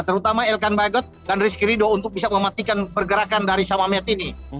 terutama elkan bagot dan rizky ridho untuk bisa mematikan pergerakan dari sam ahmed ini